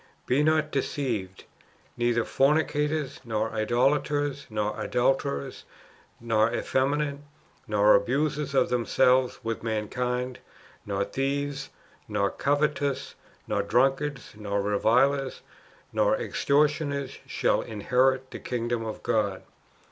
Be not deceived : neither fornicators, nor idolaters, nor adulterers, nor effeminate, nor abusers of themselves with mankind, nor thieves, nor covetous, nor drunkards, nor revilers, nor extortioners, shall inherit the kin£jdom of God."